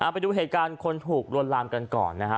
ไปดูเหตุการณ์คนถูกลวนลามกันก่อนนะฮะ